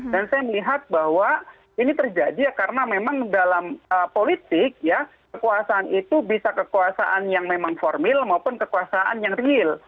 dan saya melihat bahwa ini terjadi karena memang dalam politik ya kekuasaan itu bisa kekuasaan yang memang formil maupun kekuasaan yang real